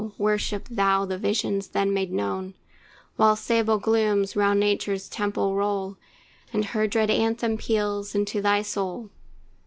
worship thou the visions then made known, While sable glooms round Nature's temple roll, And her dread anthem peals into thy soul.